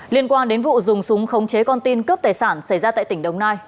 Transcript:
liên quan đến vụ dùng súng khống chế con tin cướp tài sản xảy ra tại tỉnh đồng nai